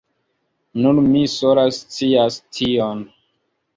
Nur mi sola scias tion.